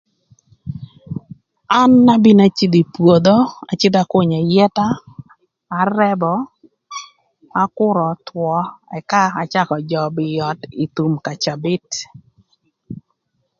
An abino acïdhö ï pwodho acïdhö akünyö ayëta arëbö akürö öthwö ëka acakö jöbö ï öt ï thum ka cabït.